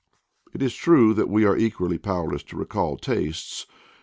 It is true that we are equally powerless to recall tastes.